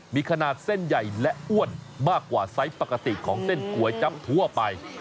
มีขนาดเส้นใหญ่และอ้วนมากกว่าไซส์ปกติของเส้นก๋วยจั๊บทั่วไป